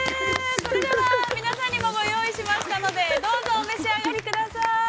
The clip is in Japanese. ◆それでは皆さんにもご用意しましたので、どうぞ、お召し上がり下さい。